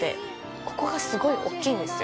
ここがすごい大っきいんですよ。